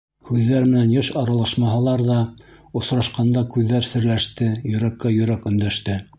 Һүҙҙәр менән йыш аралашмаһалар ҙа, осрашҡанда күҙҙәр серләште, йөрәккә йөрәк өндәште.